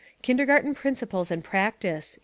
Kindergarten Principles and Practice, 1896.